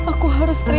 aku harus berbaik